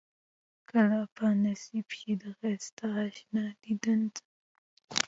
کله به نصيب شي د ښائسته اشنا ديدن زما